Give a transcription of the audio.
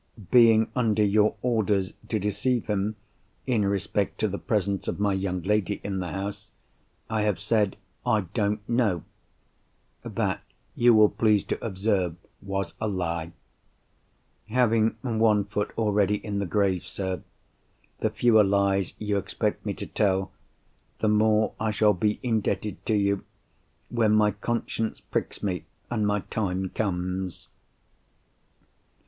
Being under your orders to deceive him, in respect to the presence of my young lady in the house, I have said I don't know. That you will please to observe, was a lie. Having one foot already in the grave, sir, the fewer lies you expect me to tell, the more I shall be indebted to you, when my conscience pricks me and my time comes."